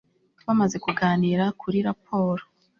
bamaze kuganira kuri raporo